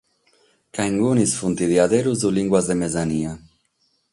Ca inie sunt de a beru limbas de mesania.